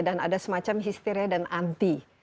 dan ada semacam histeria dan anti